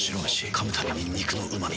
噛むたびに肉のうま味。